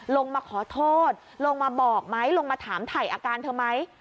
ลงมาขอโทษลงมาบอกไหมลงมาถามถ่ายอาการเธอไหม